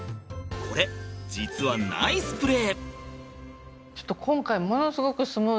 これ実はナイスプレー。